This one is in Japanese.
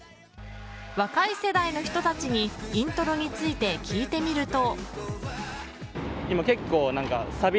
若い世代の人たちにイントロについて聞いてみると。